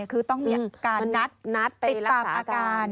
คือต้องมีการนัดติดตามอาการ